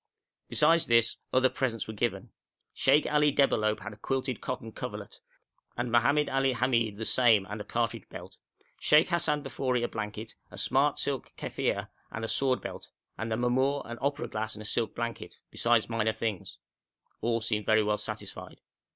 Besides this, other presents were given. Sheikh Ali Debalohp had a quilted cotton coverlet, and Mohammed Ali Hamid the same and a cartridge belt; Sheikh Hassan Bafori a blanket, a smart silk keffieh and a sword belt; and the mamour an opera glass and a silk blanket, besides minor things; all seemed very well satisfied.